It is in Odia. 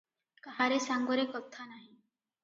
କାହାରି ସାଙ୍ଗରେ କଥା ନାହିଁ ।